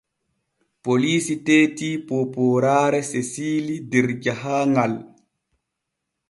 Poliisi teeti poopooraare Sesiili der jahaaŋal.